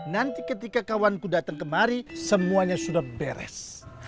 nanti ketika kawan ku datang kemari semuanya sudah beres